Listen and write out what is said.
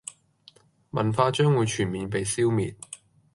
文化將會全面被消滅